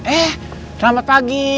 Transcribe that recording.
eh selamat pagi